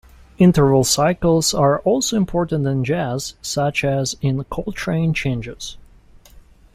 Interval cycles are also important in jazz, such as in Coltrane changes.